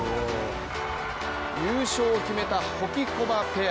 優勝を決めたホキコバペア。